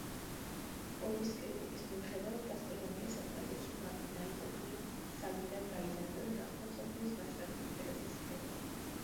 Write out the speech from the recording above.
ორის კრიტიკის მიუხედავად, გასტრონომია საფრანგეთში მარგინალიზებული საგნიდან გაიზარდა და გახდა მსოფლიოს მასშტაბით ინტერესის სფერო.